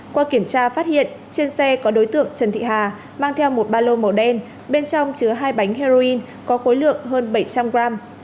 qua kiểm tra phát hiện trên xe có đối tượng trần thị hà mang theo một ba lô màu đen bên trong chứa hai bánh heroin có khối lượng hơn bảy trăm linh gram